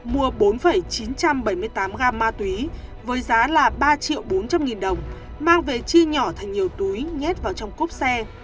mua bốn chín trăm bảy mươi tám g ma túy với giá là ba triệu bốn trăm linh nghìn đồng mang về chi nhỏ thành nhiều túi nhét vào trong cúp xe